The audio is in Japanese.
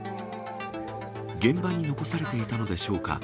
現場に残されていたのでしょうか。